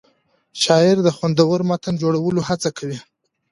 شاعر د خوندور متن جوړولو هڅه کوي.